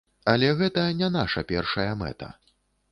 Але гэта не наша першая мэта.